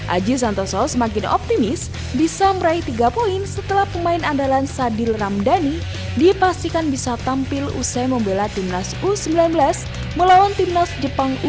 aji santoso semakin optimis bisa meraih tiga poin setelah pemain andalan sadil ramdhani dipastikan bisa tampil usai membela timnas u sembilan belas melawan timnas jepang uni